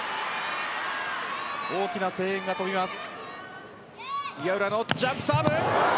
大きな声援が飛びます。